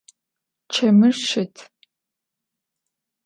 Çemır şıt.